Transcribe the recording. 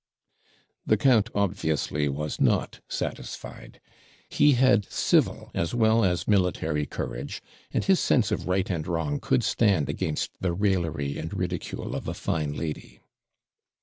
The count, obviously, was not satisfied; he had civil, as well as military courage, and his sense of right and wrong could stand against the raillery and ridicule of a fine lady.